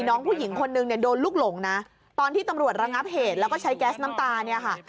น้องผู้หญิงคนนึงเนี่ยโดนลูกหลงนะตอนที่ตำรวจระงับเหตุแล้วก็ใช้แก๊สน้ำตาเนี่ยค่ะ